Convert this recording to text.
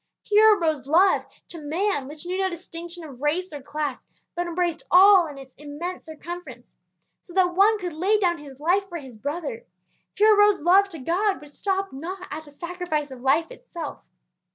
Here arose love to man which knew no distinction of race or class, but embraced all in its immense circumference, so that one could lay down his life for his brother; here arose love to God which stopped not at the sacrifice of life itself.